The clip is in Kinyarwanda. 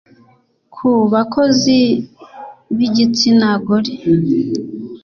ku bakozi b’igitsina gore)